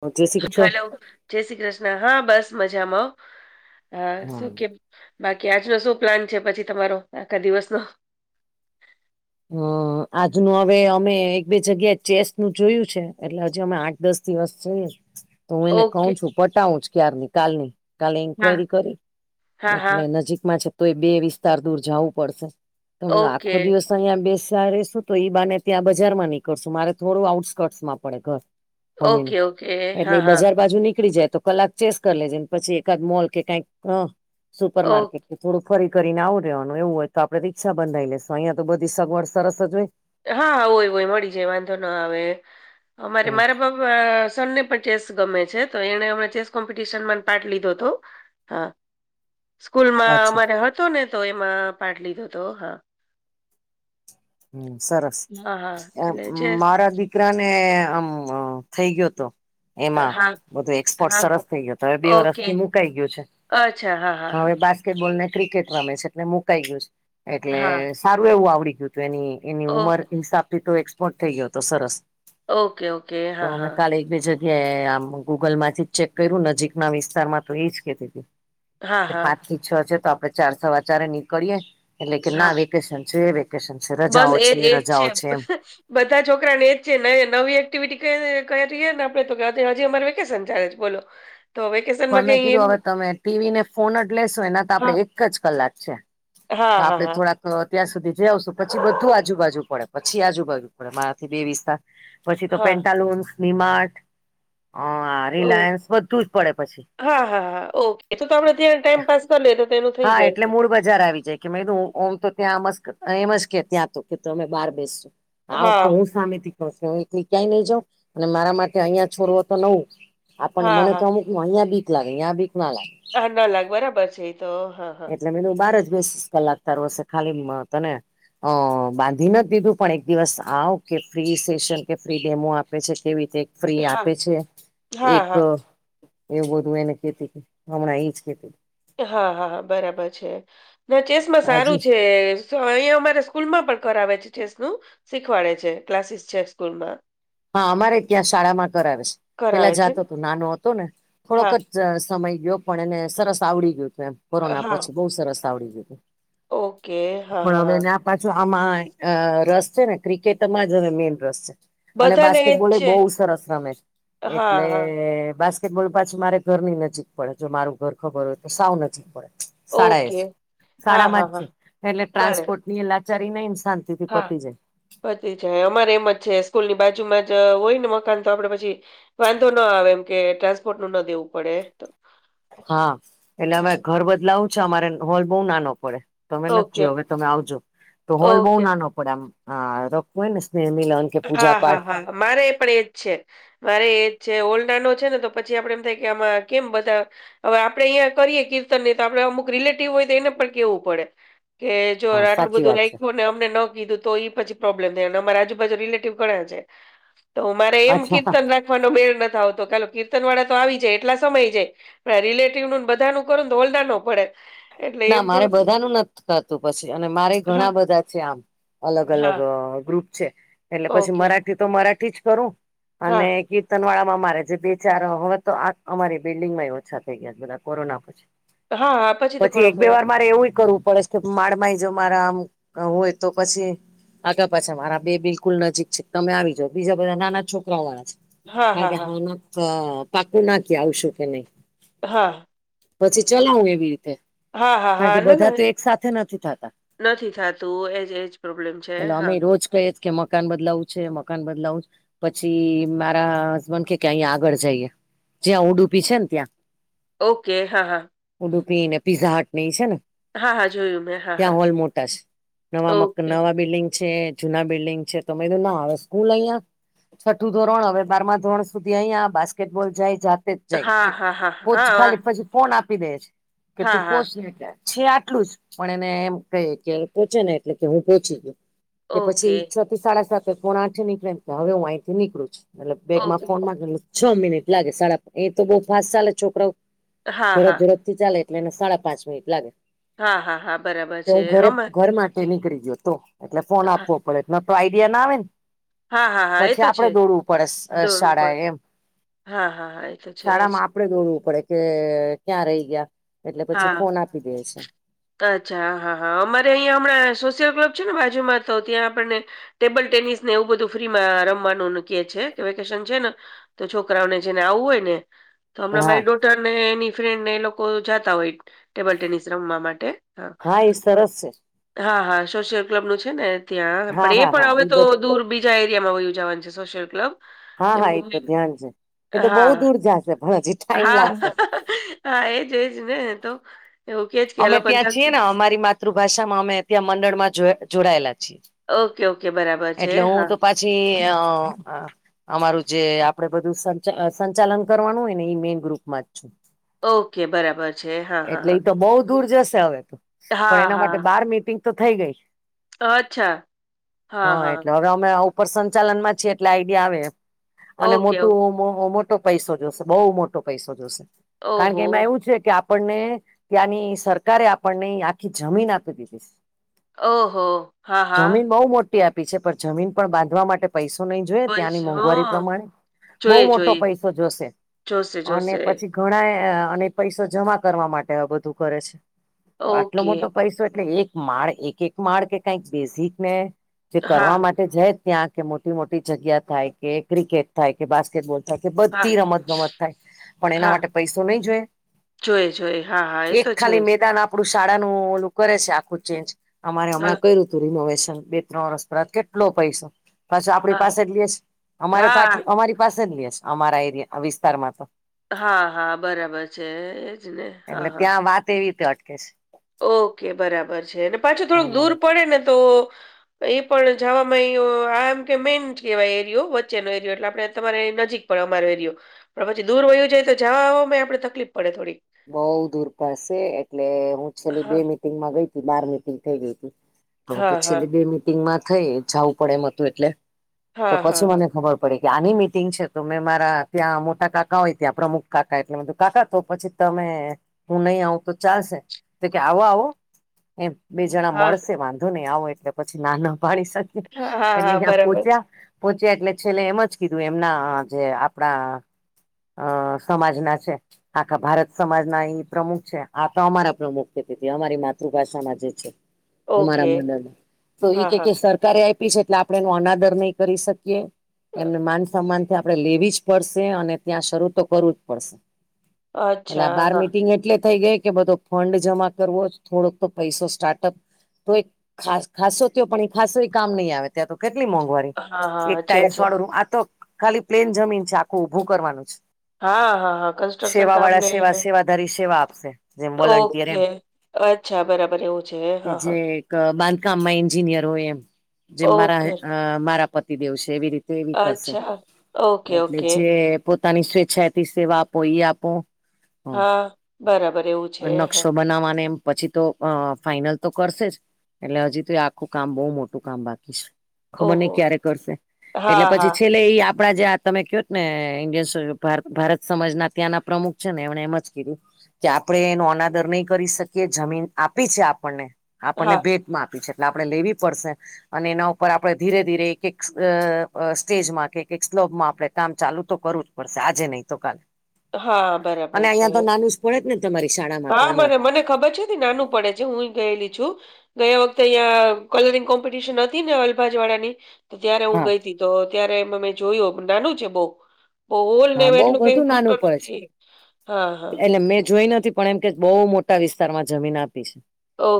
જય શ્રી કૃષ્ણ છો હલો જય શ્રી કૃષ્ણ હા બસ મજામાં શું કે બાકી આજનો શું પ્લાન છે, પછી તમારો આખા દિવસનો? હ આજનું હવે અમે એક બે જગ્યાએ ચેસ નું જોયું છે, એટલે હજી અમે આઠ દસ દિવસ જોએ [inaudible] તો હું એને કઉ ઓકે છું પટાવું જ ક્યારની કાલ ની કાલે હા ઈન્કવાયરી કરી હા હા એટલે નજીકમાં છે, તો એ બે વિસ્તાર દૂર જાવું પડશે તમે તો આખો ઓકે દિવસ અહીંયા બેસા રસું તો ઈ બાને ત્યાં બજારમાં નીકળશું મારે થોડું આઉટકટમાં પડે ઘર ઓકે ઓકે હોમીનું હા એટલે એ હા બજાર બાજુ નીકળી જાય તો કલાક ચેસ કરી લેજે ને પછી એકાદ મોલ કે કાઈક સુપર ઓ માર્કેટ કે થોડું ફરી કરીને આવું રહેવાનું એવું હોય તો આપડે રીક્ષા બંધાઈ લેશું અહંયા તો બધી સગવડ સરસ જ હોય હા હોય હોય મળી જાય વાંધો ન આવે અમારે હમ મારા બ અ સને પણ ચેસ ગમે છે, તો એનેમ ચેસ કોમ્પિટશન પાર્ટ લીધોતો હા સ્કૂલમાં અચ્છા અમારે હતો ને તો એમાં પાઠ લીધો તો હા હમ સરસ હા હા એટલે ચેસ મારા દીકરા ને આમ થઈ ગયોતો એમાં હા બધું એક્સપર્ટ હા સરસ થઇ ગયો તો બે ઓકે વર્ષથી મુકાઈ ગયું છે. અચ્છા હા હા હા બોલ ને ક્રિકેટ રમે છે એટલે મુકાઈ ગયું છે, હા એટલે સારું એવું આવડી ગયું હતું એની એની ઓ ઉંમર હિસાબથી તો એક્સપોર્ટ થઈ ગયો હતો સરસ. ઓકે ઓકે તો હા અમે હા. કાલે એક બે જગ્યાએ આમ ગૂગલ માંથી ચેક કર્યું નજીક ના વિસ્તારમાં તો એજ કેતી. હા, હા. પાંચ થી છ છે તો આપડે ચાર સવા ચારે નીકળીયે, એટલે કે હા. ના વેકેશન છે વે. કેસન બસ એજ એજ છે. બધા છોકરાને એજ છે નવી એક્ટિવિટી કરીએને આપડે તો હજી અમારે વેકેશન ચાલે છે બોલો. તોવે પણ મેં કીધું હવે તમે ટીવી ને ફોન જ લેશો એના તો હા, આપણેે એક જ કલાક છે. હા હા. આપ હા. થોડાક અત્ય સુધી જય આવશું પછી બધું આજુબાજુ પડે પછી આજુબાજુ પડે મારાથી બે વિસ્તાર. પછી તો હા પેન્ટાલુન ડી માર્ટ અ ઓ રિલાયન્સ બધું જ પડે. પછી હા હા હા ઓકે તો તો આપડે ત્યાં ટાઈમપાસ કરી લેએ તો તેનું થઈ હા એટલે જાય. મૂળ બજાર આવી જાય કે ઓમ તો ત્યાંમ એમ જ કે ત્યાં તો કે અમે બહાર બેસશો. આ વખતે હા, હું સામેથી કહું છું એકલી ક્યાંય નહી જાઉં, અને મારા માટે અહિયાં છોડવો તો નવું. આપન હા, મને હા. તો અમુક અહિયા બીક લાગે અંયા બીક ના લાગે. હા ના લગ બરાબર છે એ તો હા. હા. એટલે મેં બાર જ બેસ લાગતાર હશે ખાલી તોને. અ બાંધી નથી દીધું પણ એક દિવસ આવ કે ફ્રી સેશન કે ફ્રી ડેમો આપે છે કેવી રીતે ફ્રી હા, આપે છે, હા, એક હા. એવું બધું એને કેતી હમણા એજ કેતી. હા હા બરાબર છે, ને ચેસમાં હજી સારું છે. અહીંયા અમારે સ્કૂલમાં પણ કરાવે છે ચેસનું, શીખવાડે છે ક્લાસીસ છે સ્કૂલમાં. હા અમારે ત્યાં શાળામાં કરાવે છે, પેલા કરાવે છે. જાતો હતો નાનો હતો ને થોડોક હા, જ સમય ગયો પણ એને સરસ આવડી ગયું તું એમ કોરોના હા. પછી બહુ સરસ આવડી ગયું તું. ઓકે હા હા હા. પાછું આમાં રસ છે ને ક્રિકેટમાં જ મેન રસ છે. અને બધાને જ બાસ્કેટબોલ એ છે. બહુ સરસ રમે છે, હા, એટલે હા. બા બોલ પાછી મારે ઘર ની નજીક પડે જો મારું ઘર ખબર હોય તો સાવ નજીક પડે. શાળા એ જ ઓકે. હા, શાળામાં હા, જ હા. છે, એટલે બરાબર. ટ્રાન્સપોર્ટ ની એ લા ચારી ઈન્શાંતિથી પતિ જાય. પધ જાય અમારે એમ જ છે સ્કૂલ ની બાજુમાં જ હોય ને મકાન તો આપડે પછી વાંધો ના આવે એમ કે ટ્રાન્સપોર્ટનુ ના દેવું પડે. હા એટલે હા, અમે ઘર બદલાવું છે અમારે હોલ બહુ નાનો પડે. તમે નથી ઓકે, જોયો હવે તમે આવજો, તો હોલ બઉ ઓકે. નાનો પડે આમ રખવું હોય ને સ્નેહમિલન. હા હા હા મારે પણ એજ છે. મારે એજ છે હોલ નાનો છે ને તો પછી આપડે એમ થાય કે આમાં કેમ બધા અવે આપડે અહીંયા કરીએ કીર્તન ને તો આપડણે અમુક રિલેટિવ હોય તો એને પણ કેવું પડે. કે જો હા આટલું સાચી બધું વાત છે રાઈખ્યું ને અમને ન કીધું તો પછી પ્રોબ્લેમ થાયને અમારે આજુ બાજુ રિલેટીવ ઘણા છે, તો અમારે એમ અચ્છા કીર્તન વાનો મેળ ન આવતો કીર્તન વાળા તો આવી જાય એટલા સમય જાય. રિલેટિવ નુ બધા નુ કરુ હોલ નાનો પડે. એટલે એમ ના મારે થોડુંક બધાનું નથી થાતું પછી અને મારે હા, ઘણા બધા છે આમ. અલગ હા. અલગ ગ્રુપ છે, એટલે પછી ઓકે. મરાઠી તો મરાઠી જ કરું, હા, અને તનવાડામાં મારે જે બે-ચાર, હવે તો આખ અમારી બિલ્ડિંગમાં એઈ ઓછા થઈ ગયા છ બધા કોરોના પછી. હા. તો પછી ઘણો એક-બે ફેર. વાર મારે એવું કરવું પડે છ કે [unintelligible] જો મારા આમ હોય તો પછી આગા પાછા મારા બે બિલકુલ નજીક છે. તો તમે જાઓ. બીજા બધા નાના છોકરાવ વાળા છ. હા, કારણ હા, કે હા, હાલમાં પ પાકું નથી આવશું કે નહીં. હા. પછી ચલાવે એવી રીતે. હા, હા, કારણ હા, કે બધા ના-ના. તો એક સાથે નથી થતા નથી થાતું, એજ-એજ પ્રોબ્લેમ છે હા. તો એ જ કે મકાન બદલાવું છે, મકાન બદલાવું છ. પછી મારા હસબન્ડ કહે કે અહીંયાં આગળ જઈએ. જ્યાં ઉડુપી છેન ત્યાં. ઓકે, હા, હા. ઉડુપી ને, પીઝા હટ ને ઈ છે ને. હા, હા. જોયું મેં. હા, ત્યાં હા. હોલ મોટા છ. નવા મક ઓકે. નવા બિલ્ડિંગ છે. જૂના બિલ્ડિંગ છે. તો મે કીધું, ના હવે સ્કૂલ અહિયાં છઠ્ઠું ધોરણ હવે બારમા ધોરણ સુધી અહીયાં, બાસ્કેટબોલ જાય જાતે જ જાય. હા, હા, હા. પહોંચ હા, હા. ખાલી પછી ફોન આપી દેછ. કે હા, તું હા. પહોંચ ને ત્યાં છે આટલું જ, પણ એને એમ કહી કે પહોંચે ને એટલે તે હું પહોંચી ગયો. કે પછી ઓકે. છ થી સાડા સાતે, પોણા આઠે નીકળે ને કહૂ હવે હું અહીં થી નીકળું છું. મતલબ બેગમાં ઓકે. ફોન [unintelligible] છ મિનિટ લાગે સાડા, એ તો બઉ ફાસ્ટ સાલે છોકરાવ. હા, હા. ઝડપ-ઝડપ થી ચાલે એટલે એને સાડા પાંચ મિનિટ લાગે. હા, હા, હા, બરાબર છે. અમાર એ નીકળી ગયો તો, એટલે ફોન આપવો પડે, નતો આઈડિયા ના આવેન હા, હા, હા. એ પછી તો છે આપણે જ. દોડવું પડે દોડવું શાળાએ પડે. એમ. હા, હા, હા એ તો છે જ. પણે દોડવું પડે કે ક્યાં રહી ગયા. એટલે પછી હા. ફોન આપી દે છે. અચ્છા, હા, હા. અમારે અહીંયા હમણાં સોશિયલ ક્લબ છે ને બાજુમાં તો ત્યાં આપણને ટેબલ ટેનિસ ને એવું બધું ફ્રીમાં રમવાનુંન કહે છે. કે વેકેશન છે ને તો છોકરાઓને જેને આવવું હોય ને તો હમણાં હા મારી ડોટર ને એની ફ્રેન્ડ ને એ લોકો જાતા હોય ટેબલ ટેનિસ રમવા માટે. હા ઈ સરસ છે. હા, હા. સોશિયલ ક્લબ નું છે ને ત્યાં, હા પણ એ હા પણ હા હવે ઈ તો બધ દૂર બી જા એરિયામાં વયું જાવાનું છ સોશિયલ કલબ. હા હા એ તો [unintelligible] ધ્યાન છે એ તો બહુ હા, દૂર જશે પણ હજી ટાઈમ હા. લાગશે હા એજ-એજ ને તો. એવું કે જ કે એ અમે લોકો ત્યાં જગ છીએ ને અમારી માતૃભાષામાં અમે ત્યાં મંડળમાં જો જોડાયેલા છીએ. ઓકે-ઓકે બરાબર છે. હા. જ અહ આ અમારું જે આપણે બધું સંચા સંચાલન કરવાનું હોય ને ઈ મેન ગ્રુપ માં જ છું. ઓકે બરાબર. છે હા હા એટલે હા ઈ તો બહુ દૂર જશે હવે. તો પણ હા એના માટે હા બાર મીટિંગ તો થઈ ગઈ. અચ્છા હા. એટલે હવે અમે આવું પણ સંચાલન માં છે એટલે આઈડિયા આવે એમ. અને ઓકે ઓકે મોટું [unintelligible] ટો પૈસો જોશે, બહુ મોટો પૈસો જોશે. કારણ કે ઓહો એમાં એવું છે કે આપ આપણને ત્યાંની સરકારે આપણને આખી જમીન આપી દીધી. ઓહો હા હા જમીન બહ મોટી આપી છે પણ જમીન પણ બાંધવા માટે પૈસો નહી જોઈએ બસ ત્યાંની મોંઘવારી હા પ્રમાણે. બહુ જોઈએ મોટો જોઈએ પૈસો જોશે, જોશે અને જોશે પછી ઘણા અને પૈસો જમા કરવા માટે બધું કરે છે. આટલો મોટો ઓકે પૈસો એટલે એક માળ એક એક માળ કે કંઈક બેઝિક ને. જે કરવા હા માટે જાય ત્યાં કે મોટી મોટી જગ્યા થાય કે ક્રિકેટ થાય કે બાસ્કેટબોલ. કે બધી હા રમત ગમત થાય, પણ એના માટે પૈસો નહી જોએ. જોયએ જોઈએ. એક ખાલી મેદાન આપડું શાળાનું ઓલું કરે છે આખું ચેન્જ, અમારે હમણાં હા કર્યું. રિનોવેશન બે ત્રણ વર્ષ પ કેટલો પૈસો. પાછ આપણી હા પાસે જ લઈએ છે અમારે તો હા આટલી અમારી પાસે જ લઈ અમારા એરિયા વિસ્તારમાં તો. હા હા બરાબર છે. એજ ને હા એટલે હા. ત્યાં વાત એવી રીતે અટકે છે. ઓકે બરાબર છે અને પાછું થોડુંક હ દૂર પડે ને તો એ પણ જવામાં આમ કે મેઈન કહેવાય એરિયો વચ્ચેનો એરિયો એટલે આપડણે તમારે નજીક પણ અમારો એરિયો, પણ પછી દૂર વયું જાય તો જવા આપડે તકલીફ પડે થોડી. બઉ દૂર પસે એટલે હું છેલ્લી બે હા મિટિંગમાં ગઈ હતી બાર મિટિંગ થઇ ગઈ હતી. હા તો હા છેલ્લી બે મીટિંગમાં થઈ જવું પડે એમ હતું એટલે, તો હા હા પછી હા મને ખબર પ આની મીટિંગ છે તો મેં મારા ત્યાં મોટા કાકા હોય ત્યાં પ્રમુખ કાકા એટલેધું કાકા તો પછી તમે હું નહી આવું તો ચાલશે, તો કે આવો આવો. એમ બે જણા હા મળશે વાંધો નહી આવો એટલે પછી નાના પાણી શકે. હા હા એટલે હા જ્યાં બરાબર છે પોહચ્યા, પોહચ્યા એટલે છેલ્લે એમ જ કીધું એમના જે આપણા અ સમાજ ના છે, આખા ભારત સમાજ ના એ પ્રમુખ છે આ તો અમારા પ્રમુખ છેતી અમારી માતૃભાષામાં જે છે. અરા ઓકે મદને, તો હા એ હા કે સરકારે આપી છે એટલે આપણે એનો અનાદર નહી કરી શકીએ. એમને માન સન્માનથી આપડે લેવી જ પડશે અને ત્યાં શરૂ તો કરવું જ પડશે. એટલે આ અચ્છા બાર હા મિટિંગ એટલે થઈ ગઈ કે બધો ફંડ જમા કરવો થોડોક તો પૈસો સ્ટાર્ટઅપ તો ખ ખાસો તયો પણ એ ખાસો કામ નહી આવે ત્યાં તો કેટલી મોંઘવારી. હા હા એક અચ્છા ટન્સ અચ્છા વાળું રમ આ તો ખાલી પ્લેન જમીન છે આખું ઉભું કરવાનું જ. હા હા હા કન્સ્ટ્રક્શન કામ નહી વધારી સેવા આપશે. જેમ વોલન્ટિયર એમ ઓકે અચ્છા બરાબર એવું છે કે હા જે હા. એક બાંધકામમાં એન્જિનિયર હોય એમ, જેમ ઓકે મારા મારા પતિદેવ છે એવી રીતે. તેવી કરશે, અચ્છા ઓકે એટલે ઓકે જે પોતાની સ્વેચ્છાયતી સેવા આપો એ આપો. હ, હા બરાબર એવું છે હા નકશો બનાવવાને પછી તો અ ફાાઈનલ તો કરશે જ. એટલે હજી તો એ આખું કામ બઉુ મોટું કામ બાકી છે. ખબર નઈ ઓહો ક્યારે કરશે, એટલે હા હા પછી છેલ્લે એ આપ. આપડા જેં તમે કહત ને ઇન્ડિયન ભારત સમમાજ ના ત્યાંના પ્રમુખ છે ને એમણે એમ જ કીધું, કે આપણે એનો અનાદર નહી કરી શકીએ જમીન આપી છે આપણને. આપણને હા ભેટમાં આપી છે એટલે આપણે લેવી પડશે. અને એના ઉપર આપણે ધીરે ધીરે એક એક સ્ટેજમાં કે એક સ્લબમાં આપડે કામ ચાલુ તો કરું. પડશે આજે નહી તો કાલે. હા. અને બરાબર છે અહીંયા તો નાનું [unintelligible] પડે જ ને તમારી શાળામાં તો હા અમે મને મને ખબર છે, નાનું પડે છે, હું ગયેલી છું. ગયા વખતે અહં કલરિંગ કોમ્પિટિશન હતી ને અલભાજ વાળાની તો તય્યારે હું હા ગઈતી તો ત્યારે એ મેમે જોયયો નાનું છે, બો હોલ ને હા એમ બહુ એટલું [unintelligible] નથી હા, હા. એટલે મેં જોઈ નથી પણ એમ કે બો મોટા વિસ્તારમાં જમીન આપી છે,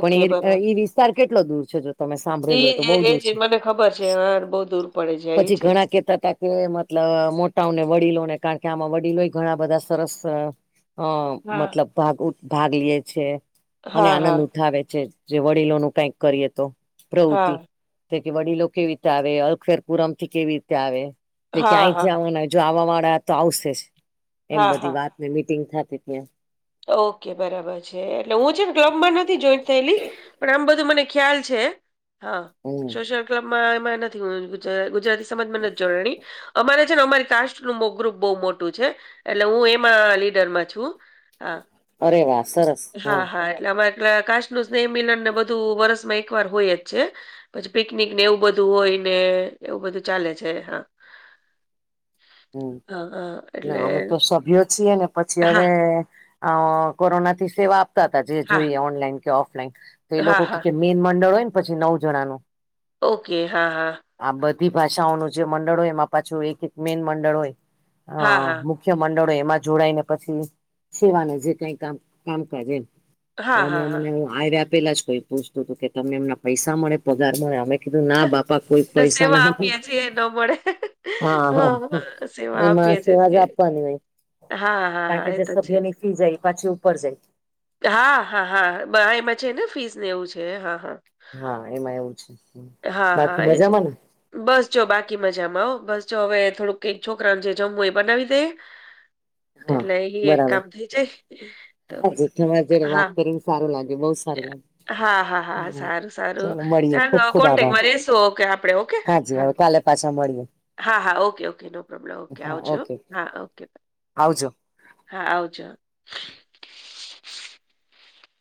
પણ બરાબર. એ વિસ્તાર કેટલો દૂર છે? તમે સાંભળેલું ઈ હોય તો એ બો એ દૂર જ છે, મને ખબર છે. હા, બહુ દૂર પડે છે એ પછી ચીઝ. ઘણા કેતા તા કે મતલબ મોટાઓને વડીલોને કારણ કે આમાં વડીલોય ઘણા બધા સરસ અ હા. મતલબ ભાગ ભાગ લે છે, અને હા, આનંદ હા, ઉઠાવે છે. જે વડીલોનું કઈક કરીએ તો પ્રવૃતિ હા, તે કે વડીલો કેવી રીતે આવે અલખેરપુરમ થી કેવી રીતે આવે તે હા, ક્યાયથી હા, આવવા જો આવા વાળા તો આવશે જ એમ હા, બધી હા. વાતને મીટિંગ થતી ત્યાં ઓકે બરાબર છે, એટલે હું છે, ને ક્લબમાં નથી જોઈન્ટ થયેલી પણ આમ બધું મને ખ્યાલ છે. હા હમ સોશિયલ ક્લબમાં એમાં નથી ગુ ગુજરાતી સમાજમાં નથી જોડાણી અમારે છે, ને અમારી કાસ્ટ નું ગ્રુપ બો મોટું છે, એટલે હું એમાં લીડરમાં છું. હા અરે વાહ સરસ હા હમ હા એટલામા [unintelligible] કાચ નુ સ્નેહ મિલન ને બધું વરસમાં એક વાર હોય જ છે. પછી પિકનિક ને એવું બધું હોય ને એવું બધું ચાલે છે, હા હમ હા, હા. ના એટલે અમે તો સભ્યો છીએ ને પછી હા, હવે અ કોરોના થી સેવા આપતા હતા જે હા, જોઈએ ઓનલાઈન કે ઓફલાઈન તો એ હા, લોકો કેય હા. કે મેઈન મંડળ હોય ને પછી નવ જણાનું ઓકે હા હા. આ બધી ભાષાઓનું જે મંડળ હોય એમાં પાછું એક એક મેન મંડળ હોય અ હા, હા. મુ ખ્ય મંડળો એમાં જોડાાય ને પછી સેવાને જે કઈ કામ કામ કાજ એ તો હા, હા, હમણાં મને હા. આવ્યા પેલા જ કોઈ પૂછતું હતું કે તમને એમના પૈસા મળે પગાર મળે અમે કીધું ના બાપા કોઈ ને પૈસા સેવા ના આપે આપીએ છીએ ન મળે. હા હા હા. સેવા આપીએ એમાં છીએ સેવા જ કે આપવાની હોય. હા, હા, કારણ હા. કે એ જે તો છે. સભ્યની ફી જાય પાછી ઉપર જાય. કે હા હા હા એમાં છે, ને ફીસને એવું છે, હા હા હા એમાં એવું છે, હા, બાકી હા. એ જ મજામાં ને? બસ જો બાકી મજામાં હો આવો બસ જો હવે થોડુંક કઈક છોકરાને જે જમવું એ બનાવી દઈએ. હા એટલે એ એક કામ થઇ જાય. તો હા જી તમારા જોડે હા વાત એવું કરીને સારું લાગ્યું બો સારું લા હા હા હા સારું સારું મળીએ ખુબ ચાલ ખુબ આભાર કોન્ટેકમાં રહેશું ઓકે આપડે ઓકે હાજી હા હવે કાલે પાછા મળીએ. હા હા okay okay no problem okay આવજો હો ઓકે બા આવાજો. હા આવજો.